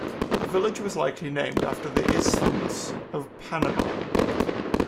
The village was likely named after the Isthmus of Panama.